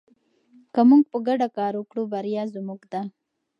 که موږ په ګډه کار وکړو بریا زموږ ده.